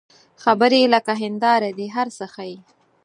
خبرې لکه هنداره دي، هر څه ښيي